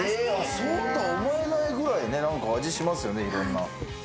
そうとは思えないくらい味しますね、いろんな。